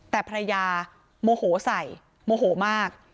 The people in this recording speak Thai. แต่ภรรยาโมโหใส่โมโหมาก